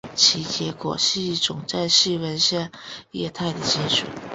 其结果是一种在室温下液态的金属。